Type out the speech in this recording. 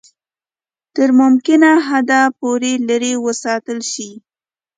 تر ممکنه حده پوري لیري وساتل شي.